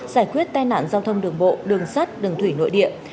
giải quyết tai nạn giao thông đường bộ đường sắt đường thủy nội địa